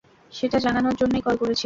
সেটা জানানোর জন্যই কল করেছিলাম।